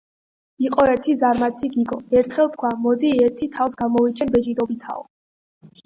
იყო ერთი ზარმაცი გიგო. ერთხელ თქვა: მოდი, ერთი თავს გამოვიჩენ ბეჯითობითაო.